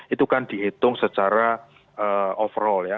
itu kan dihitung secara overall ya